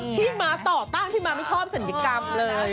นักที่มาต่อตั้งที่มาไม่ชอบสัญญากรรมเลย